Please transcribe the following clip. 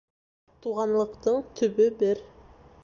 Туғанлыҡтың төбө бер.